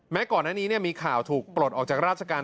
ก่อนหน้านี้มีข่าวถูกปลดออกจากราชการ